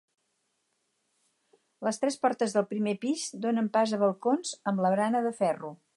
Les tres portes del primer pis donen pas a balcons amb la barana de ferro.